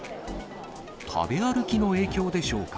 食べ歩きの影響でしょうか。